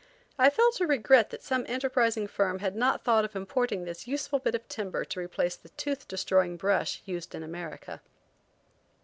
I felt a regret that some enterprising firm had not thought of importing this useful bit of timber to replace the tooth destroying brush used in America.